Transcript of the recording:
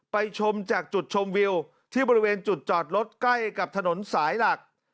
ชมจากจุดชมวิวที่บริเวณจุดจอดรถใกล้กับถนนสายหลัก